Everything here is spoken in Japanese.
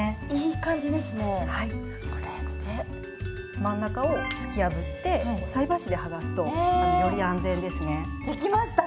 真ん中を突き破って菜箸ではがすとより安全ですね。